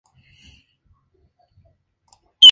Aunque Katie logra zafarse de Mr.